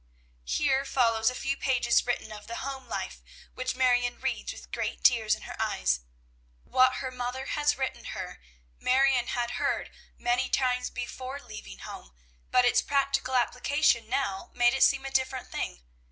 Here follows a few pages written of the home life, which Marion reads with great tears in her eyes. What her mother has written her Marion had heard many times before leaving home, but its practical application now made it seem a different thing.